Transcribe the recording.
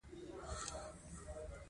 چار مغز د افغان ښځو په ژوند کې رول لري.